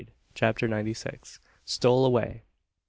CHAPTER NINETY SIX. STOLE AWAY!